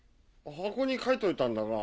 箱に書いといたんだが。